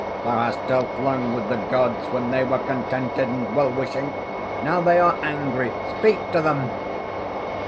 Thou hast dealt long with the Gods when they were contented and well wishing. Now they are angry. Speak to them!"